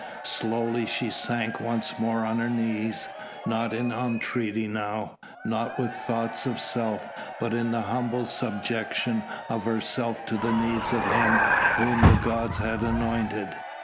Slowly she sank once more on her knees, not in entreaty now, not with thoughts of self, but in the humble subjection of herself to the needs of him whom the gods had anointed.